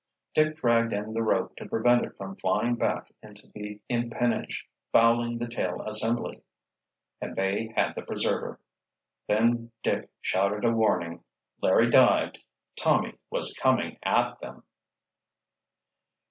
Dick dragged in the rope to prevent it from flying back into the empennage, fouling the tail assembly—and they had the preserver. Then Dick shouted a warning. Larry dived. Tommy was coming at them.